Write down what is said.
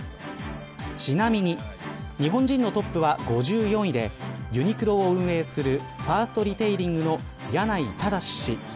ちなみに日本人のトップは５４位でユニクロを運営するファーストリテイリングの柳井正氏。